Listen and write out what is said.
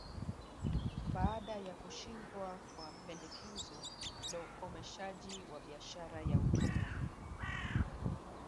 Baada ya kushindwa kwa pendekezo la ukomeshaji wa biashara ya utumwa